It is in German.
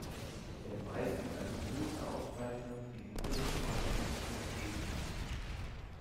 Der Preis gilt als die höchste Auszeichnung, die die britische Plattenindustrie vergeben kann.